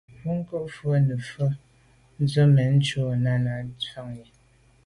Bwɔ́ŋkə̂’ nɑ̂’ vwá’ nə̀ vwá’ vwɑ́’ dzwə́ zə̄ mɛ̂n shûn Náná ná’ fáŋə́.